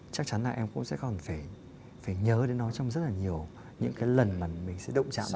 chắc chắn là em cũng sẽ còn phải nhớ đến nó trong rất là nhiều những cái lần mà mình sẽ động trạng